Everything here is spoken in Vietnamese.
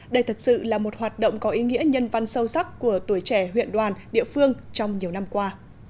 đây thật sự là một hoạt động có ý nghĩa nhân văn sâu sắc của tuổi trẻ huyện đoàn địa phương trong nhiều năm qua